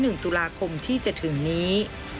วันที่๑ตุลาคมที่จะถึงนี้